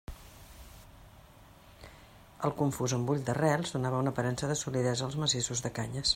El confús embull d'arrels donava una aparença de solidesa als massissos de canyes.